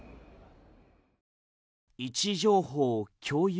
位置情報共有